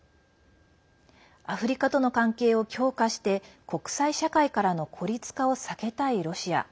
アフリカとの関係を強化して国際社会からの孤立化を避けたいロシア。